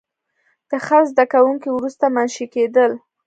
د خط زده کوونکي وروسته منشي کېدل.